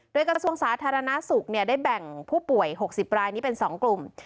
โดยกระทรวงสาธารณสุขได้แบ่งผู้ป่วย๖๐รายนี้เป็น๒กลุ่ม